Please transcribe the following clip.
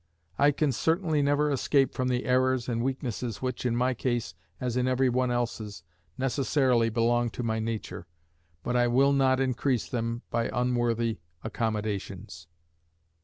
I can certainly never escape from the errors and weaknesses which, in my case as in every one else's, necessarily belong to my nature; but I will not increase them by unworthy accommodations.